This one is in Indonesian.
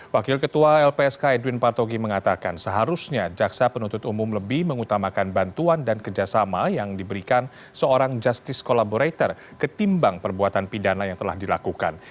wakil ketua lpsk edwin partogi mengatakan seharusnya jaksa penuntut umum lebih mengutamakan bantuan dan kerjasama yang diberikan seorang justice collaborator ketimbang perbuatan pidana yang telah dilakukan